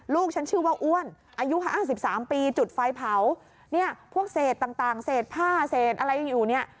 ลูกฉันชื่อว่าอ้วนอายุห้าสิบสามปีจุดไฟเผาเนี่ยพวกเศษต่างเศษผ้าเศษอะไรอยู่เนี่ย